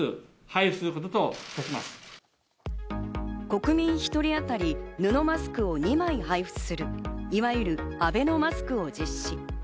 国民１人当たり布マスクを２枚配布するいわゆるアベノマスクを実施。